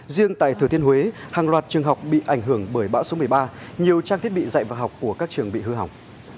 riêng tại thừa thiên huế hàng loạt trường học bị ảnh hưởng bởi bão số một mươi ba nhiều trang thiết bị dạy và học của các trường bị hư hỏng